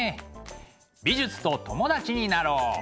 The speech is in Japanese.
美術と友達になろう！